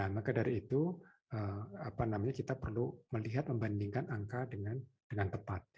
maka dari itu kita perlu melihat membandingkan angka dengan tepat